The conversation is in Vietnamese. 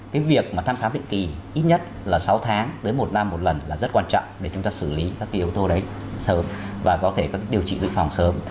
cái việc mà thăm khám định kỳ ít nhất là sáu tháng đến một năm một lần là rất quan trọng để chúng ta xử lý các cái yếu tố đấy sớm và có thể điều trị dự phòng sớm